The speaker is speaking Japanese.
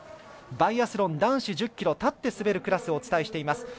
バイアスロン男子１０ｋｍ立って滑るクラスをお伝えしています。